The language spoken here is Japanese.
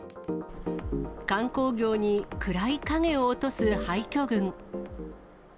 観光業に暗い影を落とす廃虚群。